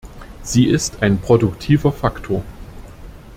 Sie ist ein produktiver Faktor.